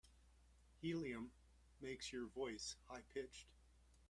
Helium makes your voice high pitched.